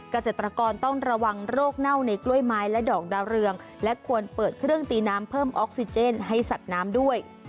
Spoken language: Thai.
เกษตรกรต้องระวังโรคเน่าในกล้วยไม้และดอกดาวเรืองและควรเปิดเครื่องตีน้ำเพิ่มออกซิเจนให้สัตว์น้ำด้วย